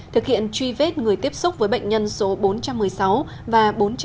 thực hiện truy vết người tiếp xúc với bệnh nhân số bốn trăm một mươi sáu và bốn trăm một mươi